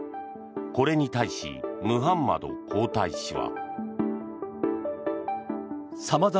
これに対しムハンマド皇太子は。